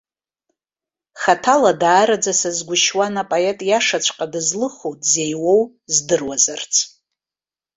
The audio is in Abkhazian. Хаҭала даараӡа сазгәышьуан апоет иашаҵәҟьа дызлыху, дзеиуоу здыруазарц.